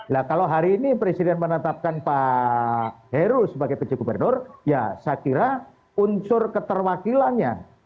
nah kalau hari ini presiden menetapkan pak heru sebagai pj gubernur ya saya kira unsur keterwakilannya